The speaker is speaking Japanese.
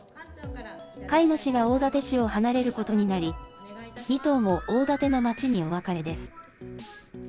飼い主が大館市を離れることになり、２頭も大館の町にお別れです。